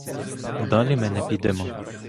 Далі ми не підемо!